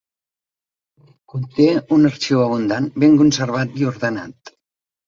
Conté un arxiu abundant, ben conservat i ordenat.